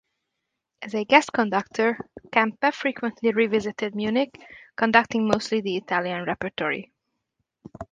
As a guest conductor, Kempe frequently revisited Munich conducting mostly the Italian repertory.